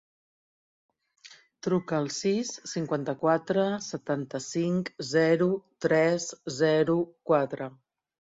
Truca al sis, cinquanta-quatre, setanta-cinc, zero, tres, zero, quatre.